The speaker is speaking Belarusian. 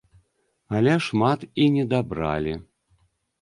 Але шмат і недабралі.